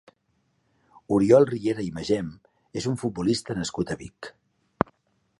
Oriol Riera i Magem és un futbolista nascut a Vic.